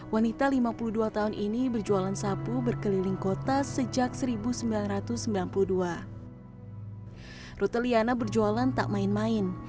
wanita lima puluh dua tahun ini berjualan sapu berkeliling kota sejak seribu sembilan ratus sembilan puluh dua rute liana berjualan tak main main